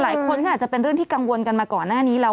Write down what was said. หลายคนก็อาจจะเป็นเรื่องที่กังวลกันมาก่อนหน้านี้แล้ว